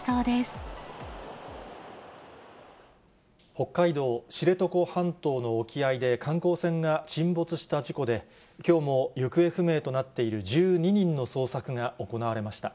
北海道知床半島の沖合で観光船が沈没した事故で、きょうも、行方不明となっている１２人の捜索が行われました。